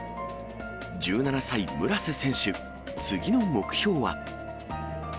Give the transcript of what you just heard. １７歳、村瀬選手、次の目標